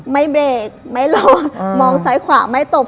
ไม่เบรกไม่ลงมองซ้ายขวาไม่ตบ